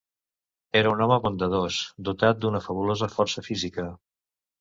Era un home bondadós, dotat d'una fabulosa força física.